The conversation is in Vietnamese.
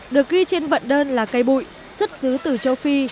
được ghi trên vận đơn là cây bụi xuất xứ từ châu phi